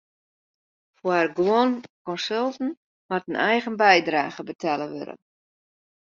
Foar guon konsulten moat in eigen bydrage betelle wurde.